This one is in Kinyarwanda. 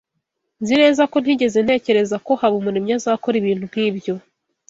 Nzi neza ko ntigeze ntekereza ko Habumuremyi azakora ibintu nkibyo.